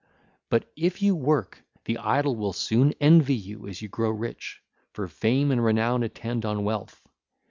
But if you work, the idle will soon envy you as you grow rich, for fame and renown attend on wealth.